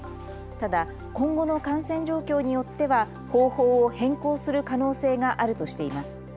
ただ今後の感染状況によっては方法を変更する可能性があるとしています。